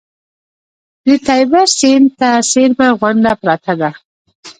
د تیبر سیند ته څېرمه غونډه پرته ده.